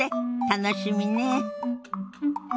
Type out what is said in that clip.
楽しみねえ。